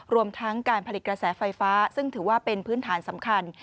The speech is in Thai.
รวมทั้งการผลิตกระแสไฟฟ้าซึ่งถือว่าเป็นพื้นฐานสำคัญ